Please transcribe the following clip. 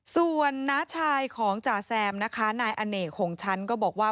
ส่วนน้าชายของจ่าแซมนะคะนายอเนกห่งชั้นก็บอกว่า